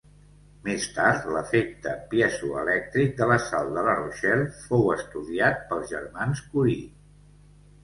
Més tard l'efecte piezoelèctric de la sal de la Rochelle fou estudiat pels germans Curie.